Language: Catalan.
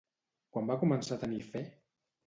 Quan va començar a tenir fe?